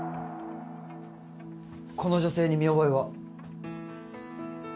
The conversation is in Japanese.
この女性に見覚えは？